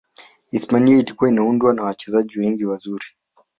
hispania ilikuwa inaundwa na wachezaji wengi wazuri